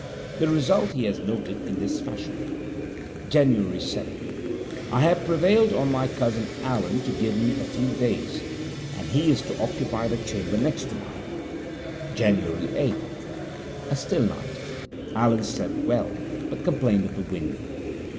The result he has noted in this fashion: Jan. 7 I have prevailed on my cousin Allen to give me a few days, and he is to occupy the chamber next to mine. Jan. 8 A still night. Allen slept well, but complained of the wind.